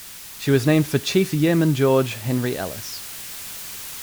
She was named for Chief Yeoman George Henry Ellis.